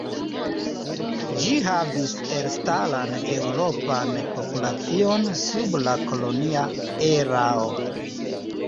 Ĝi havis elstaran eŭropan populacion sub la kolonia erao.